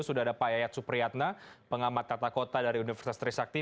sudah ada pak yayat supriyatna pengamat tata kota dari universitas trisakti